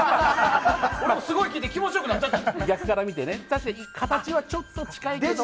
俺も、すごいを聞いて気持ち良くなっちゃった。